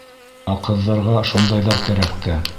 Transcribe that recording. Ә ҡыҙҙарға шундайҙар кәрәк тә.